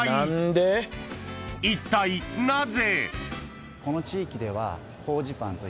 ［いったいなぜ？］